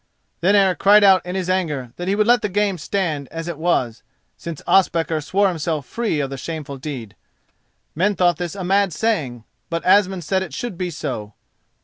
Then Eric cried out in his anger that he would let the game stand as it was, since Ospakar swore himself free of the shameful deed. Men thought this a mad saying, but Asmund said it should be so.